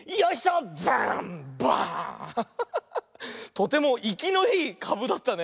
とてもいきのいいかぶだったね。